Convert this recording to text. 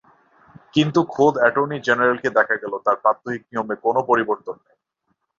কিন্তু খোদ অ্যাটর্নি জেনারেলকে দেখা গেল তাঁর প্রাত্যহিক নিয়মে কোনো পরিবর্তন নেই।